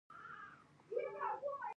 اخلاق له ژبې لوړ دي.